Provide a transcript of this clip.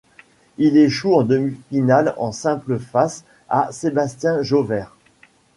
Il échoue en demi-finale en simple face à Sébastien Jover.